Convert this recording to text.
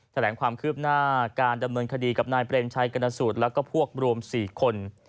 แถลงความคืบหน้าการดำเนินคดีกับนายเปรมชัยกรณสูตรแล้วก็พวกรวม๔คน